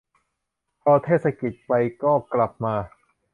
พอเทศกิจไปก็กลับมา